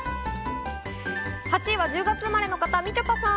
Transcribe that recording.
８位は１０月生まれの方、みちょぱさん。